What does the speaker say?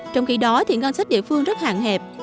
trong khi đó thì ngân sách địa phương rất hạn hẹp